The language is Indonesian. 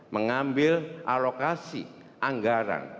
mengambil alokasi anggaran